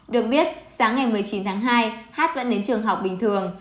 được biết sáng ngày một mươi chín tháng hai hát vẫn đến trường học bình thường